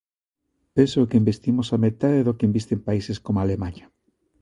Penso que investimos a metade do que invisten países como Alemaña.